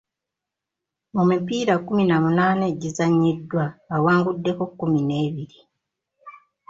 Mu mipiira kkumi na munaana egizannyiddwa, awanguddeko kkumi n'ebiri.